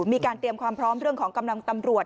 มีการเตรียมความพร้อมเรื่องของกำลังตำรวจ